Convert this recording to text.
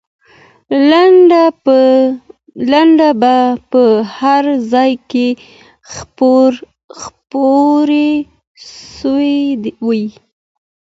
لنډۍ به په هر ځای کې خپرې سوې وي.